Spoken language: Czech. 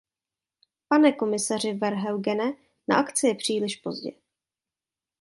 Pane komisaři Verheugene, na akci je příliš pozdě.